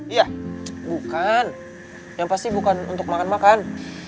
iya bukan yang pasti bukan untuk makan makan